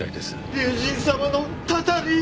竜神様のたたり！